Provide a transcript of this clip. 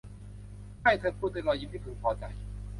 ใช่ เธอพูด ด้วยรอยยิ้มที่พึงพอใจ